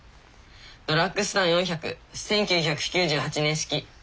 ドラッグスター４００１９９８年式。